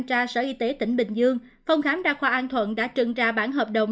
tra sở y tế tỉnh bình dương phòng khám đa khoa an thuận đã trừng ra bản hợp đồng